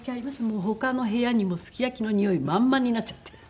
もう他の部屋にもすき焼きのにおい満々になっちゃって。